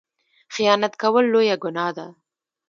خیانت کول لویه ګناه ده